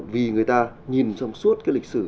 vì người ta nhìn trong suốt cái lịch sử